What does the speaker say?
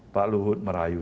pak luhut merayu